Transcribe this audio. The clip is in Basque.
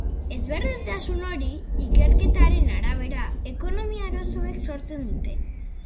Ezberdintasun hori, ikerketaren arabera, ekonomia arazoek sortzen dute.